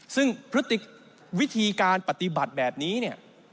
ซึ่งพฤติวิธีการปฏิบัติแบบนี้เนี่ย